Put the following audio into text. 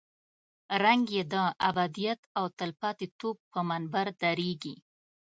رنګ یې د ابدیت او تلپاتې توب پر منبر درېږي.